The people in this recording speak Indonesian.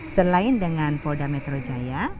selain dengan polda metro jaya